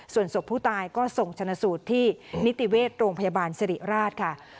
ส่วนศพผู้ตายก็ส่งชนะสูตรที่นิติเวชโรงพยาบาลสิริราชค่ะ